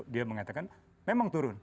dia mengatakan memang turun